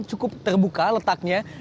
cukup terbuka letaknya